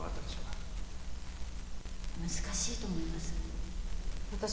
私も難しいと思います。